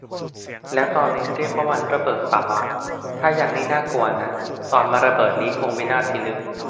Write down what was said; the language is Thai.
แล้วตอนนี้เรียกว่ามันระเบิดป่าวอ่ะ ถ้ายังนี่น่ากลัวนะ ตอนมันระเบิดนี้คงวินาศพิลึก